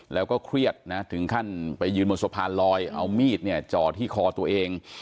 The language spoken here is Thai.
แล้วก็เครียดนะถึงขั้นไปยืนบนสะพานลอยเอามีดเนี่ยจ่อที่คอตัวเอง